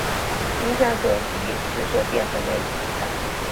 影响所及市售淀粉类食材。